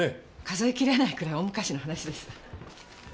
数え切れないくらい大昔の話です。